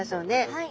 はい。